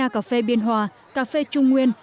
cà phê biên hòa cà phê trung nguyên